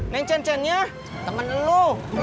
neng cen cennya teman lo